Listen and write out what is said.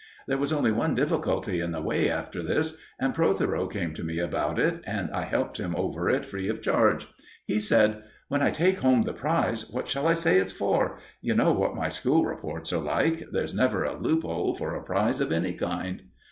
There was only one difficulty in the way after this, and Protheroe came to me about it, and I helped him over it free of charge. He said: "When I take home the prize, what shall I say it's for? You know what my school reports are like. There's never a loophole for a prize of any kind."